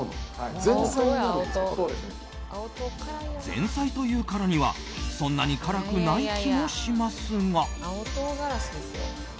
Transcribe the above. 前菜というからにはそんなに辛くない気もしますが。